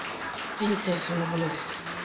人生そのものです。